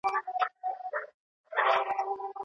بې باوري څنګه څرګندیږي؟